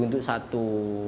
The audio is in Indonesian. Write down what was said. tujuh puluh untuk satu